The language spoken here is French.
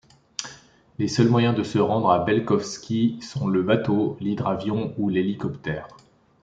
Les seuls moyens de se rendre à Belkofski sont le bateau, l'hydravion ou l'hélicoptère.